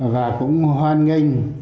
và cũng hoan nghênh